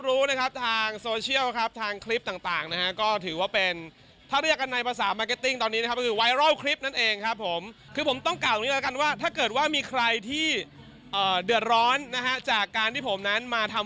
สิ่งนี้ถ้าเรียกว่าเป็นมุมมองของแอาร์ต